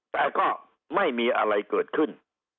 แต่ก็ไม่มีอะไรเกิดขึ้น